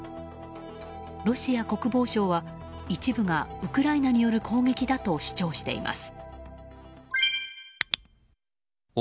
ロシア国防省は、一部がウクライナによる攻撃だと主張しています。